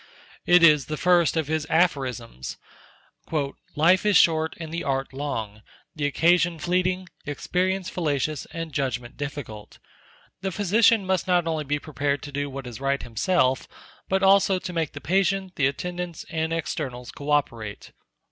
It is the first of his "Aphorisms": "Life is short, and the Art long; the occasion fleeting; experience fallacious, and judgment difficult. The physician must not only be prepared to do what is right himself, but also to make the patient, the attendants, and externals cooperate."